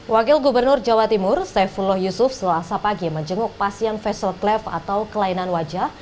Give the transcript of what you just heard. wakil gubernur jawa timur saifullah yusuf selasa pagi menjenguk pasien facial cleft atau kelainan wajah